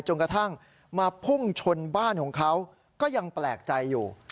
จนกระทั่งมาพุ่งชนบ้านของเขาก็ยังแปลกใจอยู่